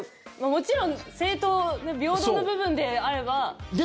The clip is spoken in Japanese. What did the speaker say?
もちろん正当、平等な部分であれば。